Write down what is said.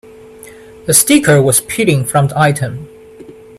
The sticker was peeling from the item.